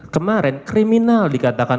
kemarin kriminal dikatakan